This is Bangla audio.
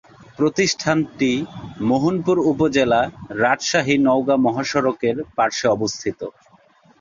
প্রতিষ্ঠানটি মোহনপুর উপজেলা রাজশাহী-নওগাঁ মহাসড়কের পার্শ্বে অবস্থিত।